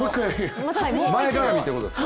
前かがみってことですか？